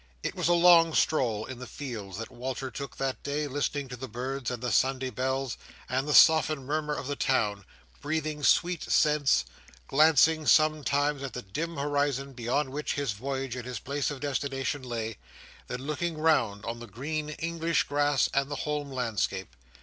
It was a long stroll in the fields that Walter took that day, listening to the birds, and the Sunday bells, and the softened murmur of the town—breathing sweet scents; glancing sometimes at the dim horizon beyond which his voyage and his place of destination lay; then looking round on the green English grass and the home landscape.